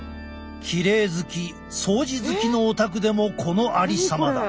きれい好き掃除好きのお宅でもこのありさまだ。